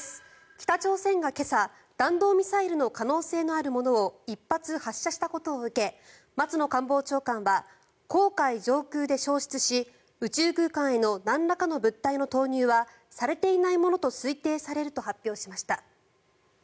北朝鮮が今朝、弾道ミサイルの可能性のあるものを１発発射したことを受け松野官房長官は黄海上空で消失し、宇宙空間へのなんらかの物体の投入はされていないものと推定されると発表しました。